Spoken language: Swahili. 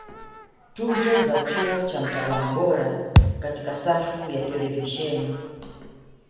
Tuzo za Chuo cha Mtaalam Bora Katika safu ya Televisheni